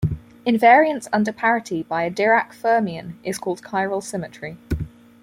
Invariance under parity by a Dirac fermion is called chiral symmetry.